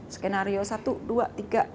skenario satu dua tiga